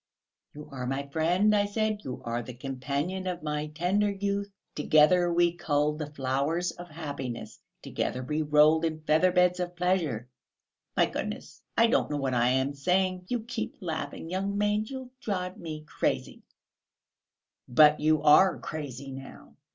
'You are my friend,' I said; 'you are the companion of my tender youth. Together we culled the flowers of happiness, together we rolled in featherbeds of pleasure.' My goodness, I don't know what I am saying. You keep laughing, young man. You'll drive me crazy." "But you are crazy now...."